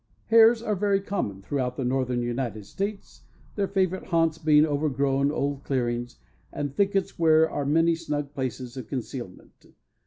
Hares are very common throughout the Northern United States, their favorite haunts being overgrown old clearings, and thickets where are many snug places of concealment.